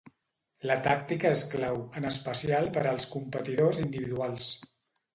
La tàctica és clau, en especial per als competidors individuals.